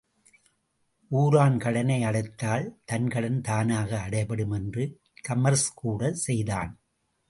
ஊரான் கடனை அடைத்தாள், தன் கடன் தானாக அடைபடும் என்று தமர்ஷ்கூட செய்தான்.